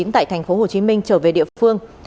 tại tp hcm trở về địa phương